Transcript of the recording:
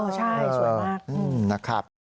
ใช่สวยมาก